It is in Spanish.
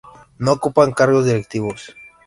No ocupan cargos directivos.